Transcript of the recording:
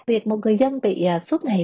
việc một người dân bị suốt ngày